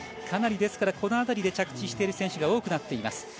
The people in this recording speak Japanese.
かなりこの辺りで着地している選手が多くなっています。